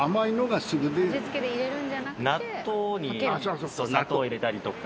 納豆に砂糖入れたりとか。